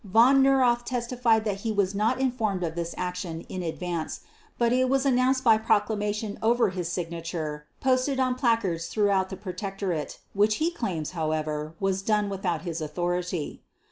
Von Neurath testified that he was not informed of this action in advance, but it was announced by proclamation over his signature posted on placards throughout the Protectorate, which he claims, however, was done without his authority.